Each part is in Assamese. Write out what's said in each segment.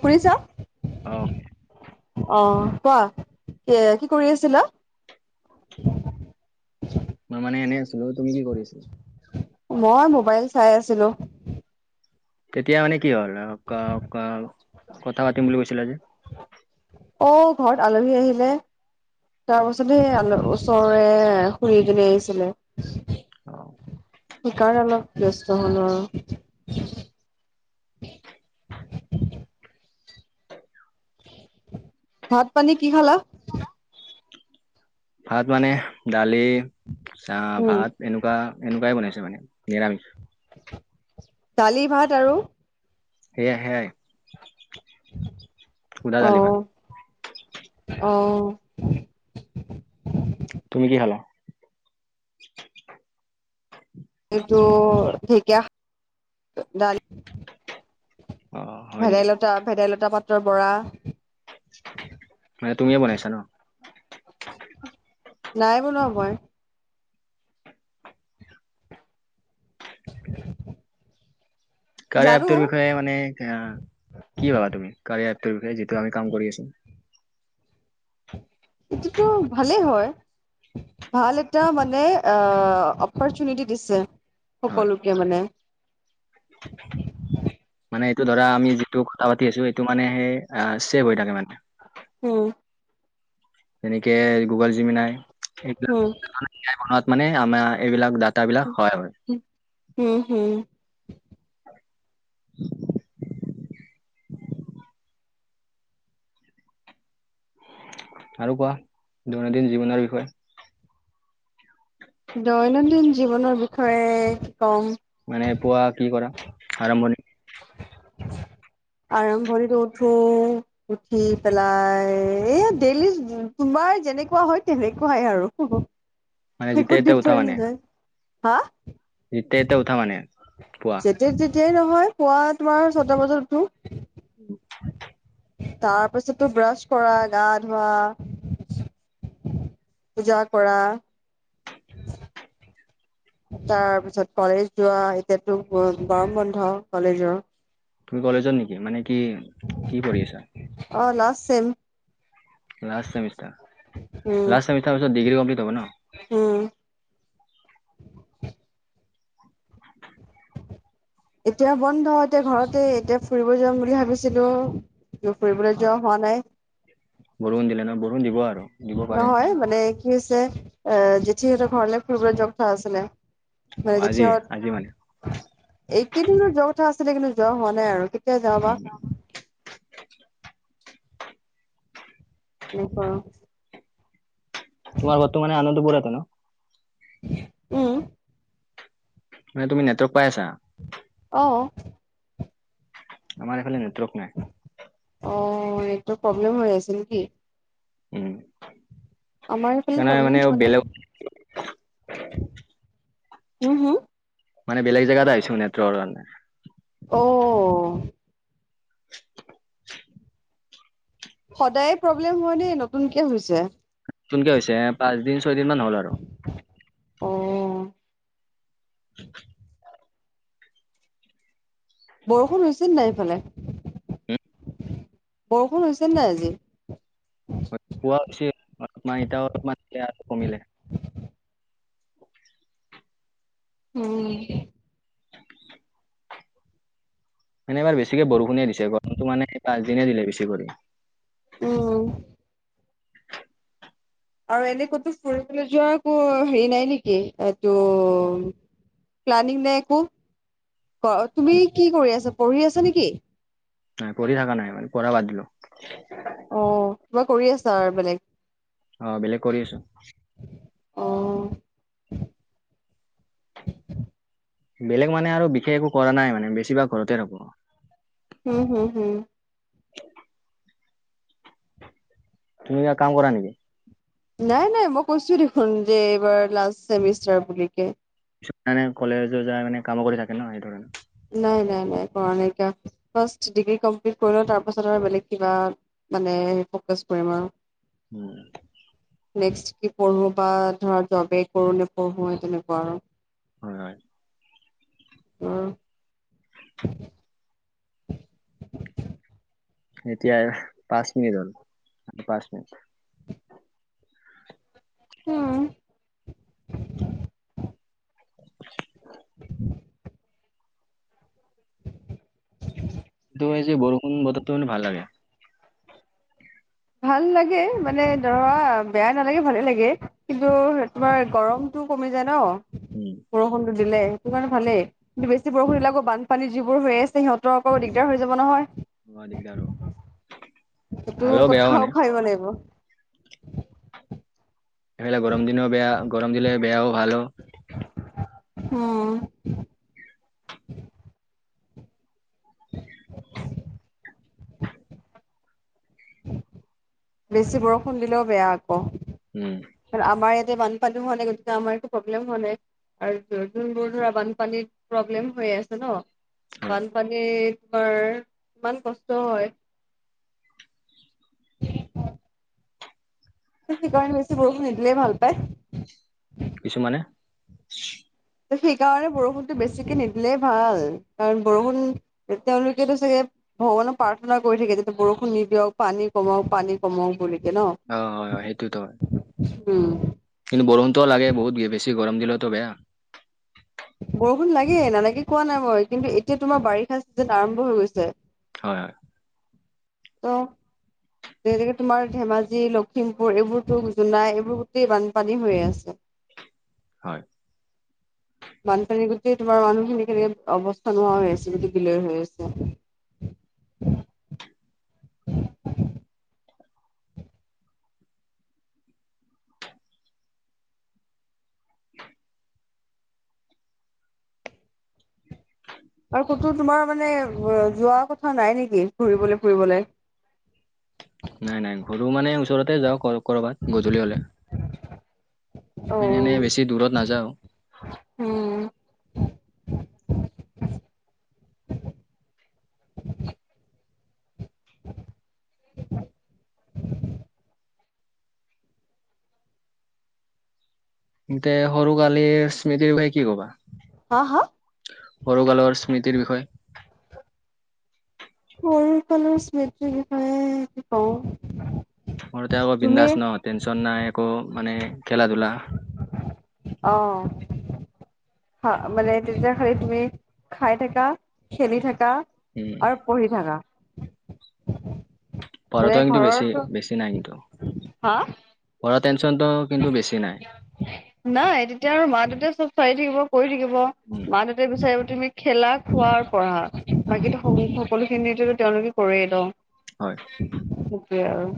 শুনিছ। অ' অ' কোৱা, কি কৰি আছিলা? [unintelligible] মই মানে এনে আছিলো। তুমি কি কৰি আছিলা? মই মোবাইল চাই আছিলো। তেতিয়া মানে কি হ'ল অ'ক অ'ক কথা পাতিম বুলি কৈছিলা যে। অ' ঘৰত আলহী আহিলে তাৰ পাছতে আলহী ওচ ওচৰৰে খুৰি এজনী আহিছিলে। অ সেইকাৰণে অলপ ব্যস্ত হ'লো আৰু। ভাত পানী কি খালা? ভাত মানে দালি চাহ উম। ভাত এনেকুৱা এনেকুৱাই বনাইছে মানে নিৰামিষ। দালি ভাত আৰু সেয়া, সেয়াই। সুদা দালি ভাত অহ'অহ' তুমি কি খালা? এইটো ধেকীয়া, ডালি। অ হয় নেকি ভেদাইলতা, ভেদাইলতা পাতৰ বৰা, মানে তুমিয়ে বনাইছা ন? নাই বনোৱা মই। [inaudible] কাৰ্য়া জানো এপটোৰ বিষয়ে মানে অ', কি ভাবা? তুমি, কাৰ্য়া এপটোৰ বিষয়ে যিটো আমি কাম কৰি আছোঁ। এইটোতো ভালেই হয়। ভাল এটা মানে অ', অপৰচুনিটি দিছে হয় সকলোকে মানে। মানে এইটো ধৰা আমি যিটো কথা পাতি আছো এইটো মানে অ', ছেভ হৈ থাকে মানে। উম। তেনেকে গুগল জিমনাই হুম। সেইবোৰত মানে আমাৰ এইবিলাক ডাত উম' হুম। [inaudible] আৰু কোৱা, দৈনন্দিন জীৱনৰ বিষয়ে। দৈনন্দিন জীৱনৰ বিষয়ে কম। মানে পুৱা কি কৰা? আৰম্ভণি আৰম্ভণিত উঠো উঠি পেলাই এই ডেইলি তোমাৰ যেনেকুৱা হয় তেনেকুৱাই আৰু। মানে একো যেতিয়া এতিয়া ডিফাৰেচঞ্চ নাই, হা। যেতিয়াই তেতিয়াই উঠা মানে পুৱা। যেতিয়াই তেতিয়াই নহয়, পুৱা তোমাৰ ছটা বজাত উঠো। [inaudible] তাৰ পাছতো ব্ৰাছ কৰা গা ধোৱা পূজা কৰা তাৰ পিছত কলেজ যোৱা এতিয়াতো, গৰ গৰম বন্ধ কলেজৰ। তুমি কলেজত নেকি? মানে কি, কি পঢ়ি আছা? অ', last sem. Last semester um last semester পিছত, ডিগ্ৰী কমপ্লিট হ'ব ন। উম। [inaudible] এতিয়া বন্ধ এতিয়া ঘৰতে, এতিয়া ফুৰিব যাম বুলি ভাবিছিলোঁ। কিন্তু ফুৰিবলৈ হয় যোৱাও হোৱা নাই। বৰষুণ দিলে ন, বৰষুণ দিব আৰু দিব পাৰে নহয় মানে, কি হৈছে এ জেঠী হঁতৰ ঘৰলে ফুৰিবলৈ যোৱা কথা আছিলে। অ, মানে আজি আজি মানে জেঠীহতঁ, এইকেইদিনতে যোৱা কথা আছিলে, কিন্তু যোৱা হোৱা নাই আৰু। কেতিয়া যাওঁ বা। উম, যি গৰম তোমাৰ ঘৰতটো মানে, আনন্দ পুৰাটে ন। উম। নে তুমি নেৱৰ্ক পাই আছা। অহ। আমাৰ এইফালে নেটৱৰ্ক নাই। অ', এইটো প্ৰব্লেম হৈ আছে নেকি? উম। আমাৰ ইফালে লে সেইকাৰণে মানে প্ৰব্লেম হোৱা বেলেগ নাই হুম হুম। মানে বেলেগে যাগাত আহিছো নেটৰ কাৰণে। অ'। সদায় প্ৰব্লেম হোৱা নে নতুনকে হৈছে। নতুনকে হৈছে পাঁচ দিন ছয় দিন মান হ'ল আৰু। অ'। বৰষুণ হৈছে নাই ইফালে। [inaudible] বৰষুণ হৈছে নাই আজি? পোৱা হৈছিল এতিয়া অলপমান দিলে আৰু কমিলে। উম। মানে এবাৰ বেছিকে বৰষুণিয়ে দিছে গৰমতো মানে পাঁছ দিনহে দিলে বেছি কৰি। উম। আৰু এনে ক'তো ফুৰিবলৈ যোৱাৰ একো হেৰি নাই নেকি এইটো প্লানিং নাই একো, তুমি কি কৰি আছা পঢ়ি আছা নেকি? নাই পঢ়ি থাকা নাই মানে পঢ়া বাদ দিলো। অ', কিবা কৰি আছা আৰু বেলেগ। অ', বেলেগ কৰি আছো। অ', বেলেগ মানে আৰু বিশেষ একো কৰা নাই মানে বেছিভাগ ঘৰতে থাকো। হম, হম, হম। তুমি কিবা কাম কৰা নেকি? নাই নাই মই কৈছোয়ে দেখোন যে এইবাৰ লাষ্ট চেমিষ্টাৰ বুলিকে। কিছুমানে কলেজো যায় মানে কামো কৰি থাকে ন সেইটো কাৰণে। নাই নাই নাই কৰা নাই কাম। ফাৰ্ষ্ট ডিগ্ৰী কমপ্লিট কৰিলও তাৰপাছত আৰু বেলেগ কিবা মানে ফ'কাচ কৰিম আৰু। উম। নেক্স কি কৰো বা ধৰা জবে কৰো নে পঢ়ো সেই তেনেকুৱা আৰু। হয়, হয়। উম। এতিয়া পাঁচ মিনিট হ'ল পাঁচ মিনিট। উম। [inaudible] [inaudible] [inaudible] কিন্তু যে বৰষুণ বতৰটো মানে ভাল লাগে। ভাল লাগে মানে ধৰা বেয়া নালাগে ভালে লাগে। কিন্তু তোমাৰ গৰমটো কমি যায় ন। উম। বৰষুণটো দিলে হেতু কাৰণে ভালেই। বৰষুণ দিলে আকৌ বানপানী যিবোৰ হৈ আছে সিহঁতৰ আকৌ দিগদাৰ হৈ যাব নহয়। অ', দিগদাৰ হ'ব। সেইটো ভালো বেয়াও কথাও মানে ভাবিব লাগিব। এনেকে গৰম দিনও বেয়া গৰম দিলে বেয়াও ভালো। উম। [inaudible] বেছি বৰষুণ দিলেও বেয়া আকৌ। উম। আমাৰ ইয়াতে বানপানী হোৱা নাই গতিকে আমাৰতো একো প্ৰব্লেম হোৱা নাই। আৰু যোনবোৰ ধৰা বানপানী প্ৰব্লেম হৈয়ে আছে ন হয় বানপানীত ধৰ ইমান কষ্ট হয়। সেইকাৰণে বেছি বৰষুণ নিদিলে ভাল পায়। কিছুমানে সেইকাৰণে বৰষুণটো বেছিকে নিদিলেই ভাল। কাৰণ বৰষুণ তেওঁলোকেটো চাগে ভগৱানক প্ৰাৰ্থনা কৰি থাকে যেতিয়া বৰষুণ নিদিয়ক পানী কমক পানী কমক বুলি। ন অ হয় হয় সেইটোতো হয়। উম। কিন্তু বৰষুণতো লাগে বহুত বেছি গৰম দিলেতো বেয়া। বৰষুণ লাগে নালাগে কোৱা নাই মই কিন্তু এতিয়া তোমাৰ বাৰিষা চিজন আৰম্ভ হৈ গৈছে। হয়, হয়, ত' যেনেকে তোমাৰ ধেমাজি, লখিমপুৰ এইবোৰতো জোনাই এইবোৰ গোতেই বানপানী হৈ আছে। [inaudible] হয়, [inaudible] বানপানী গোটেই তোমাৰ মানুহখিনি কেনেক অৱস্থা নোহোৱা হৈ আছে, গোটেই বিলয় হৈ আছে। [inaudible] আৰু ক'তো তোমাৰ মানে যোৱা কথা নাই নেকি ফুৰিবলৈ ফুৰিবলৈ? নাই নাই ঘূৰো মানে ওচৰতে যাওঁ কৰ ক'ৰবাত গধূলি হলে। মানে এনেই অ বেছি দূৰত নাযাওঁ। উম, [inaudible] [unintelligible] সৰু কালি স্মৃতি ভাই কি কবা? হাঁ, হাঁ? সৰু কালৰ স্মৃতিৰ বিষয়ে সৰু কালৰ স্মৃতিৰ বিষয়ে কি কওঁ? মোৰ এতিয়া আকৌ তুমি বিন্দাছ ন' টেনচন নাই, একো মানে খেলা ধূলা অ', হ' মানে তেতিয়া খালি তুমি খাই থাকা খেলি থাকা উম আৰু পঢ়ি থাকা। মানে পঢ়াটো কিন্তু বেছি ঘৰৰতো বেছি নাই কিন্তু হা পঢ়া টেনশনটো কিন্তু বেছি নাই। নাই তেতিয়া আৰু মা দেউটাই চব চাই থাকিব কৰি থাকিব, উম মা দেউ বিচাৰিব তুমি খেলা খোৱা আৰু পঢ়া বাকী সকলো খিনি তেওঁলোকে কৰেই ন'। হয়, সেইটোৱে আৰু।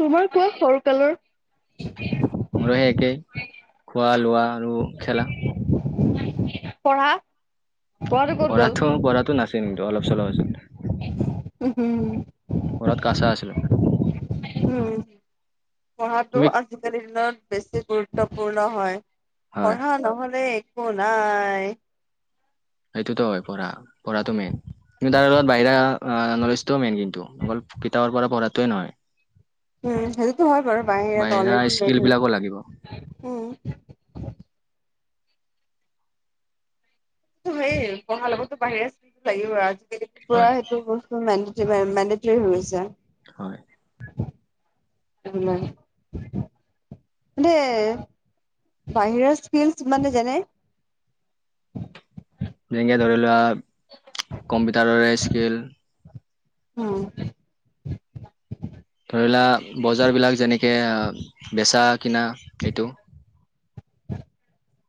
তোমাৰ কোৱা সৰু কালৰ? মোৰ সে একেই খোৱা লোৱা আৰু খেলা। পঢ়া পঢ়াটো ক'ত গ'ল? পঢ়াতো পঢ়াতো নাছিল কিন্তু অলপ চলপ আছিলে। উম, হুম, পঢ়াত কাঁচা আছিলোঁ। উম, পঢ়াটো তুমি আজিকালিৰ দিনত বেছি গুৰুত্বপূৰ্ণ হয় হয় পঢ়া নহলে একো নাই। সেইটোতো হয় পঢ়া পঢ়াটো মেইন। কিন্তু তাৰ লগত বাহিৰা নলেজটোও মেইন কিন্তু, অকল কিতাপৰ পৰা পঢ়াটোৱে নহয়। উম, সেইটোতো হয় বাৰু বাহিৰা নলেজ স্কিল মেইন বিলাকো লাগিব হয়, উম, সেই পঢ়া লগতো বাহিৰা [unintelligible] লাগিব আজিকালি হয় পুৰা মেণ্ডেটৰী হৈ গৈছে। হয়, [inaudible] [unintelligible] মানে বাহিৰৰ স্কিলছ কিমানে জানে? যেনেকে ধৰি লোৱা কম্পিউটাৰৰে স্কিল। হুম, ধৰি লোৱা বজাৰবিলাক যেনেকে বেচা কিনা এইটো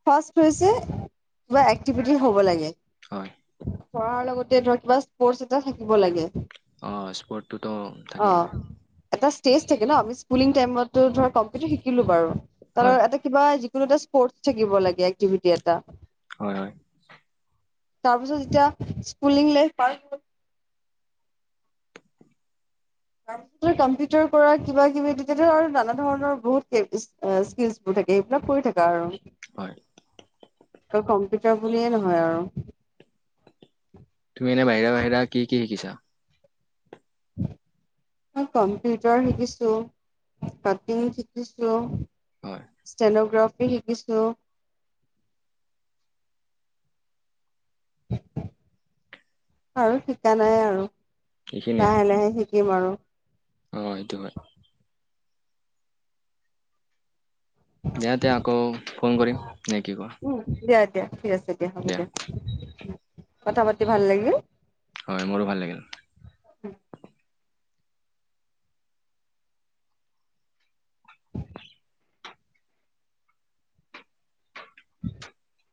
ফাৰ্ষ্ট কৈছে কিবা একটিভিটি হব লাগে। হয়। পঢ়াৰ লগতে ধৰা কিবা স্পৰ্টচ এটা থাকিব লাগে। অ' স্পৰ্টটোতো থাকিব অ' লাগে এটা ষ্টেজ থাকে ন' আমি স্কোলিং টাইমটো কম্পিউটাৰ শিকিলোঁ বাৰু। হয় [unintelligible] এটা কিবা যিকোনো এটা স্পৰ্ট থাকিব লাগে এক্টিভিটি এটা। হয় হয়। তাৰপিছত যেতিয়া স্কুলিং লাইফ পাৰ হৈ [inaudible] কম্পিউটাৰ কৰা কিবা কিবি তেতিয়া নানা ধৰণৰ বহুত কে-কি-স্কিল [unintelligible] থাকে এইবিলাক কৰি থাকা আৰু। হয়। কম্পিউটাৰ বুলিয়ে নহয় আৰু। তুমি এনে বাহিৰা বাহিৰা কি কি শিকিছা? মই কম্পিউটাৰ শিকিছোঁ। কাটিং শিকিছোঁ। হয়। ষ্টেনোগ্ৰাফি শিকিছোঁ। আৰু শিকা নাই আৰু, এইখিনিয়ে লাহে লাহে শিকিম আৰু। অ' এইটো হয়। দিয়াতে আকৌ ফোন কৰিম নে কি কোৱা? উম, দিয়া দিয়া ঠিক আছে দিয়া হ'ব দিয়া, কথা পাতি ভাল লাগিল। হয় মোৰো ভাল লাগিল। [inaudible]